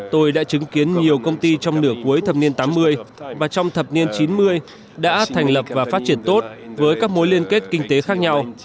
tôi đã chứng kiến nhiều công ty trong nửa cuối thập niên tám mươi và trong thập niên chín mươi đã thành lập và phát triển tốt với các mối liên kết kinh tế khác nhau